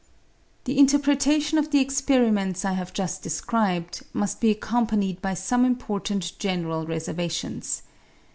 The interpretation of the experiments I have just de scribed must be accompanied by some important general reservations.